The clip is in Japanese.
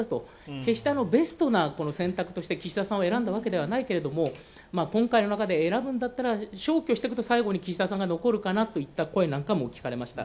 決して、ベストな選択として岸田さんを選んだわけではないけれども、今回の中で選ぶんだったら消去していくと最後に岸田さんが残るかななんていう声も聞かれました。